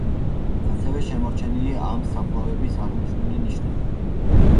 ასევე შემორჩენილია ამ საფლავების აღმნიშვნელი ნიშნები.